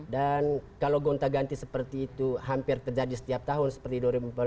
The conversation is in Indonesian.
dan kalau gonta ganti seperti itu hampir terjadi setiap tahun seperti dua ribu empat belas dua ribu sembilan belas